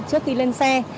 trước khi lên xe